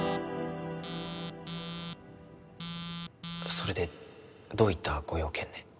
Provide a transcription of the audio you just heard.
それでどういったご用件で？